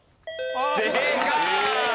正解！